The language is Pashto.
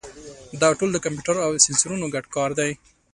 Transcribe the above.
دا ټول د کمپیوټر او سینسرونو ګډ کار دی.